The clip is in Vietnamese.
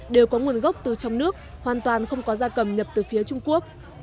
đều có nguồn gốc từ trong nước hoàn toàn không có da cầm nhập từ phía trung quốc